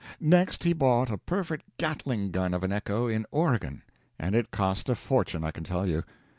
Next he bought a perfect Gatling gun of an echo in Oregon, and it cost a fortune, I can tell you.